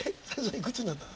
いくつになったん？